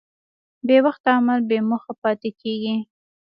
بېوخته عمل بېموخه پاتې کېږي.